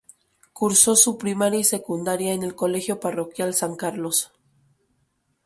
Curso su primaria y secundaria en el Colegio Parroquial San Carlos.